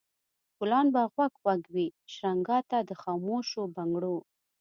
ګلان به غوږ غوږ وي شرنګا ته د خاموشو بنګړو